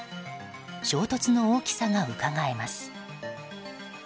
衝突の大きさがうかがえます。